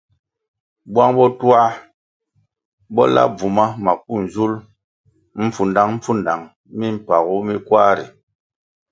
Bwang bo twā bo la bvuma maku nzulʼ mpfudangpfudang mimpagu mi kwar ri.